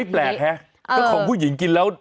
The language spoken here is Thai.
แปลกฮะก็ของผู้หญิงกินแล้ว